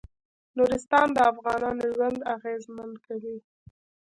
نورستان د افغانانو ژوند اغېزمن کوي.